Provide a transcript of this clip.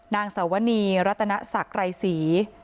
นางสวนีรัตนสักไหร่สี